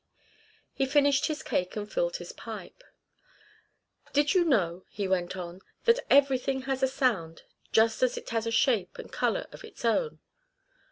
He finished his cake and filled his pipe. "Did you know," he went on, "that everything has a sound, just as it has a shape and colour of its own?